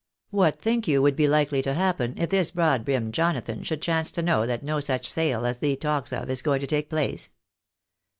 What think you would be likely to happen if this broad brimmed Jonathan should chance to know that no such sale as thee talks of is going to take place?"